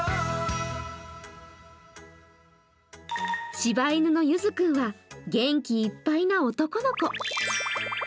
しば犬のゆず君は元気いっぱいな男の子。